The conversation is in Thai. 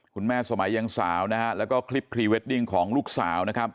คุณแม่สมัยยังสาวนะฮะแล้วก็คลิปพรีเวดดิ้งของลูกสาวนะครับ